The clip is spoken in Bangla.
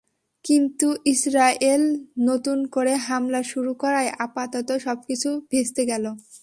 কিন্তু ইসরায়েল নতুন করে হামলা শুরু করায় আপাতত সবকিছু ভেস্তে গেল।